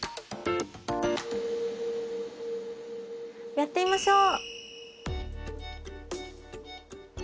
やってみましょう。